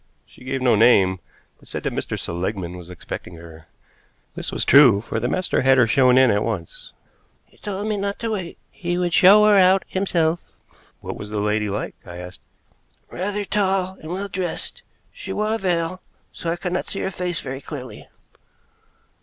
She gave no name, but said that Mr. Seligmann was expecting her. This was true, for the master had had her shown in at once. "He told me not to wait. He would show her out himself." "What was the lady like?" I asked. "Rather tall and well dressed. She wore a veil, so I could not see her face very clearly."